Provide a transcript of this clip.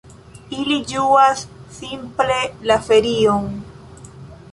Ili ĝuas simple la ferion.